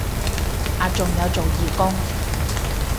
啊仲有做義工